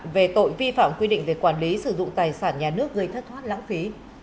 về tội vi phạm quy định về quản lý sử dụng tài sản nhà nước gây thất thoát lãng phí